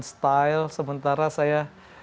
style sementara saya